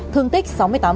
thương tích sáu mươi tám